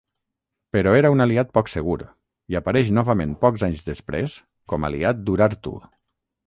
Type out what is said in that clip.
Però era un aliat poc segur i apareix novament pocs anys després com aliat d'Urartu.